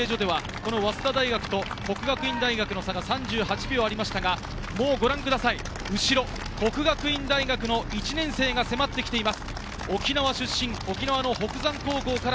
小田原中継所では早稲田大学と國學院大學の差が３８秒ありましたが、もう後ろ、國學院大學の１年生が迫ってきています。